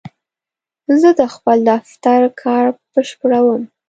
زه د خپل دفتر کار بشپړوم.